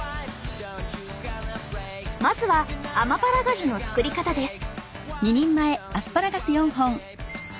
まずはアマパラガジュの作り方です。